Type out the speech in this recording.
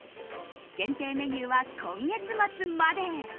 限定メニューは今月末まで。